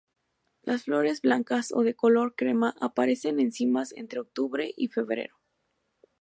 Las flores blancas o de color crema aparecen en cimas entre octubre y febrero.